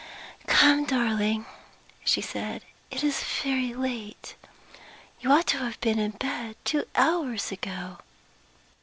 "Come, darling," she said. "It is very late you ought to have been in bed two hours ago."